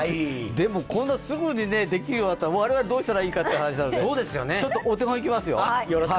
でも、こんなすぐにできるようになったら、我々どうしたらいいかって話なので、お手本、いきますよ。